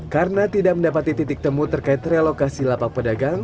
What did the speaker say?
karena tidak mendapati titik temu terkait relokasi lapak pedagang